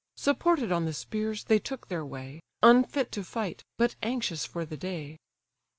Supported on the spears, they took their way, Unfit to fight, but anxious for the day.